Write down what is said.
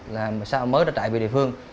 là sao mới đã trại về địa phương